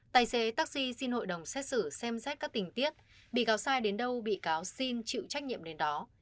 tài xế taxi xin hội đồng xét xử xem xét các tình tiết bị cáo sai đến đâu bị cáo xin chịu trách nhiệm đến đó